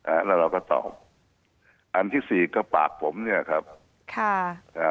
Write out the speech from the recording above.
แล้วเราก็ตอบอันที่สี่ก็ปากผมเนี้ยครับค่ะอ่า